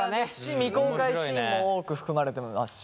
未公開シーンも多く含まれてますし。